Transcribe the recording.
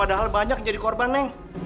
ada hal banyak jadi korban neng